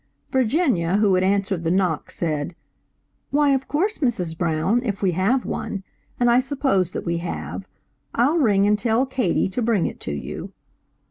Virginia, who had answered the knock, said "Why, of course Mrs. Brown, if we have one, and I suppose that we have; I'll ring and tell Katie to bring it to you."